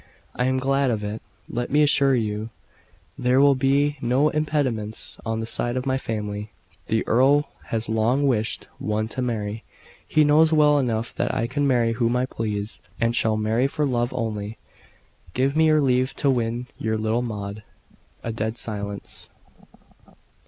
"I am glad of it. Let me assure you there will be no impediments on the side of my family. The earl has long wished me to marry. He knows well enough that I can marry whom I please and shall marry for love only. Give me your leave to win your little Maud." A dead silence.